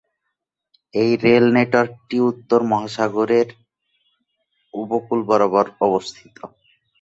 এই রেল নেটওয়ার্কটি উত্তর মহাসাগরের-এর উপকূল বরাবর অবস্থিত।